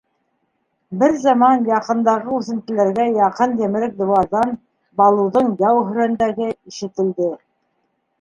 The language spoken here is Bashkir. Бер заман яҡындағы үҫентеләргә яҡын емерек диуарҙан Балуҙың яу һөрәндәге ишетелде.